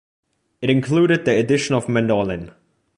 It included the addition of a mandolin.